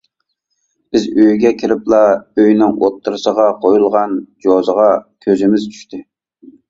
بىز ئۆيگە كىرىپلا ئۆينىڭ ئوتتۇرىسىغا قويۇلغان جوزىغا كۆزىمىز چۈشتى.